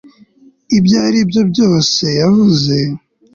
ibyo aribyo byose yavuze